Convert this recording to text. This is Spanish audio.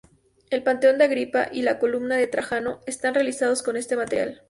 El Panteón de Agripa y la Columna de Trajano están realizados con este material.